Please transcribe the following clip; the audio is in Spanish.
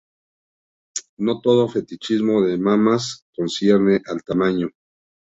No todo fetichismo de mamas concierne al tamaño.